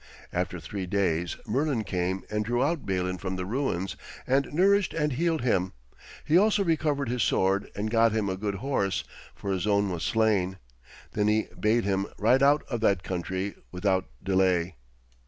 After three days Merlin came and drew out Balin from the ruins, and nourished and healed him. He also recovered his sword and got him a good horse, for his own was slain. Then he bade him ride out of that country without delay.